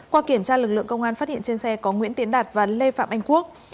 qua kiểm tra lực lượng công an phát hiện trên xe có nguyễn tiến đạt và lê phạm anh quốc